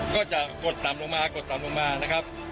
ก็จะกดต่ำลงมากดต่ำลงมานะครับ